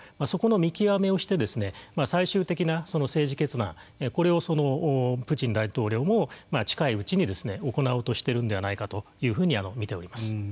そこの見極めをして最終的な政治決断これをプーチン大統領も近いうちに行おうとしているんではないかというふうに見ています。